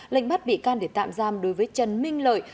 lệnh bắt bị can để tạm giam đối với trần minh lợi